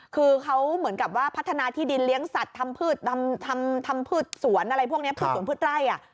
คือเขาเหมือนกับว่าพัฒนาที่ดินเลี้ยงสัตว์ทำพืชทำพืชสวนอะไรพวกนี้พืชสวนพืชไร่